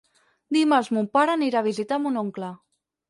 Dimarts mon pare anirà a visitar mon oncle.